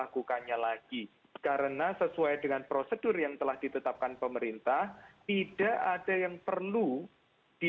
kita untuk menjadi